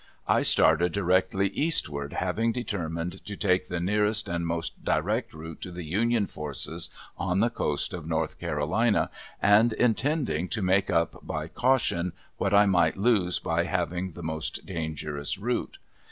I started directly eastward, having determined to take the nearest and most direct route to the Union forces on the coast of North Carolina, and intending to make up by caution what I might lose by having the most dangerous route.